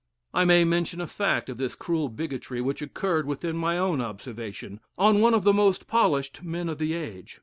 I may mention a fact of this cruel bigotry which occurred within my own observation, on one of the most polished men of the age.